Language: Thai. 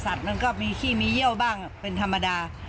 มันก็มีขี้มีเยี่ยวบ้างเป็นธรรมดา